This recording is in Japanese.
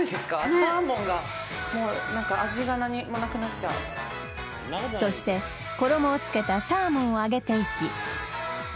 サーモンが味が何もなくなっちゃうそして衣を付けたサーモンを揚げていき